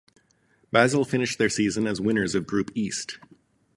Basel finished their season as winners of group East.